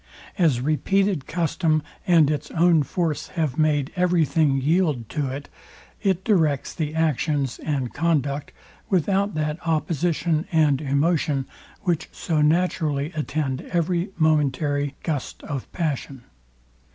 As repeated custom and its own force have made every thing yield to it, it directs the actions and conduct without that opposition and emotion, which so naturally attend every momentary gust of passion.